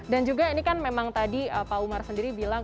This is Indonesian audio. dan juga ini kan memang tadi pak umar sendiri bilang